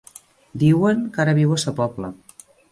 Diuen que ara viu a Sa Pobla.